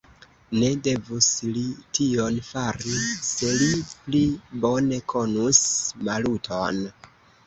Ne devus li tion fari, se li pli bone konus Maluton!